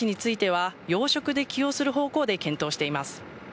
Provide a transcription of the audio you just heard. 森山氏については、要職で起用する方向で検討しています。